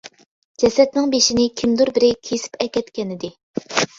جەسەتنىڭ بېشىنى كىمدۇر بىرى كېسىپ ئەكەتكەنىدى.